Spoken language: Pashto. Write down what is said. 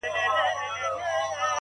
• بس د زرکو به رامات ورته لښکر سو ,